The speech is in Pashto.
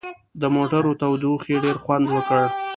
د موټر تودوخې ډېر خوند وکړ.